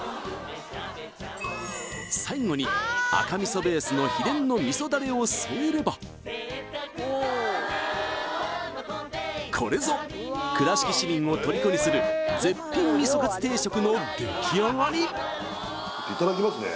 最後に赤みそベースの秘伝のみそダレを添えればこれぞ倉敷市民をとりこにする絶品みそかつ定食の出来上がりいただきますね